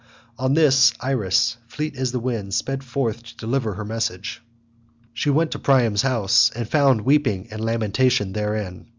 On this Iris, fleet as the wind, sped forth to deliver her message. She went to Priam's house, and found weeping and lamentation therein.